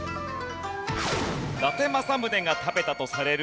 伊達政宗が食べたとされる